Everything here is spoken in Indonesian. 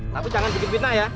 tapi jangan bikin fitnah ya